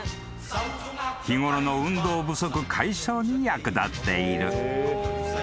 ［日ごろの運動不足解消に役立っている］